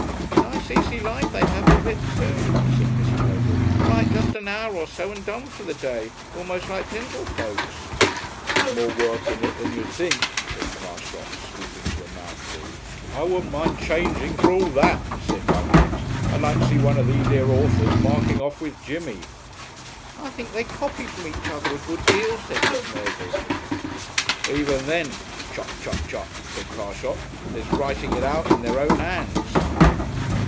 "Nice easy life they have of it, too," said Miss Mergle. "Write just an hour or so, and done for the day! Almost like gentlefolks." "There's more work in it than you'd think," said Carshot, stooping to a mouthful. "I wouldn't mind changing, for all that," said Buggins. "I'd like to see one of these here authors marking off with Jimmy." "I think they copy from each other a good deal," said Miss Mergle. "Even then (chup, chup, chup)," said Carshot, "there's writing it out in their own hands."